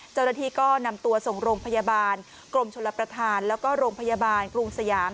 เจ้าหน้าที่ก็นำตัวส่งโรงพยาบาลกรมชลประธานแล้วก็โรงพยาบาลกรุงสยาม